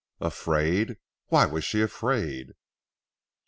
"Afraid! Why was she afraid?"